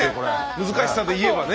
難しさで言えばね。